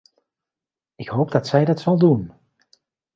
Ik hoop dat zij dat zal doen.